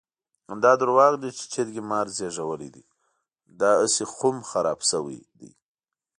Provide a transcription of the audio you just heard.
دا درواغ دي چې چرګې مار زېږولی دی؛ داهسې خم خراپ شوی دی.